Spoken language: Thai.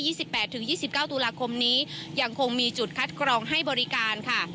สิบแปดถึงยี่สิบเก้าตุลาคมนี้ยังคงมีจุดคัดกรองให้บริการค่ะ